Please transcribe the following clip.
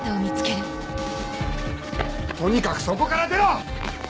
とにかくそこから出ろ！